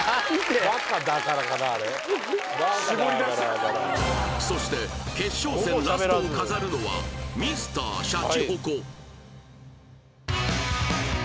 「バカだから」かなあれそして決勝戦ラストを飾るのはＭｒ．シャチホコ